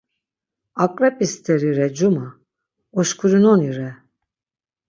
Aǩrep̌i steri re Cuma, oşkurinoni re!